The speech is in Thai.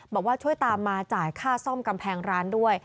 บอกว่าช่วยตามมาจ่ายค่าซ่อมกำแพงร้านด้วย